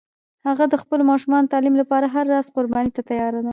هغه د خپلو ماشومانو د تعلیم لپاره هر راز قربانی ته تیار ده